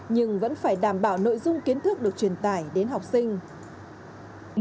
nhưng vẫn phải đảm bảo nội dung kiến thức được truyền tải đến học sinh